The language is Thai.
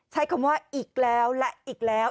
ใช้คำว่าอีกแล้วและอีกแล้ว